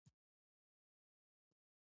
هڅه د موخې د لاس ته راوړلو وسیله ده.